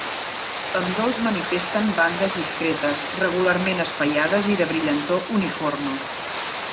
Ambdós manifesten bandes discretes, regularment espaiades i de brillantor uniforme.